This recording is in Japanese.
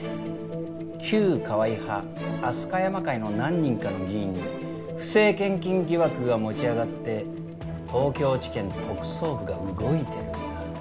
旧河合派飛鳥山会の何人かの議員に不正献金疑惑が持ち上がって東京地検特捜部が動いてるんだ。